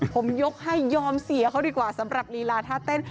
ผมยกให้ยอมเสียเขาดีกว่าสำหรับลีลาท่าเต้น